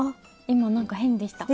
今なんか変でした。